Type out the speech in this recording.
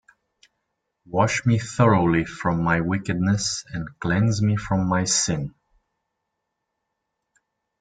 Wash me thoroughly from my wickedness: and cleanse me from my sin.